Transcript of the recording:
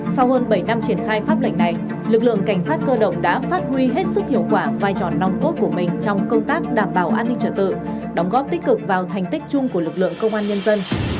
sau hơn bảy năm triển khai pháp lệnh này lực lượng cảnh sát cơ động đã phát huy hết sức hiệu quả vai trò nòng cốt của mình trong công tác đảm bảo an ninh trở tự đóng góp tích cực vào thành tích chung của lực lượng công an nhân dân